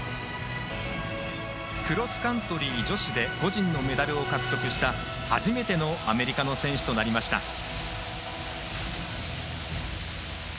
クロスカントリー女子で個人のメダルを獲得した初めてのアメリカの選手となりました。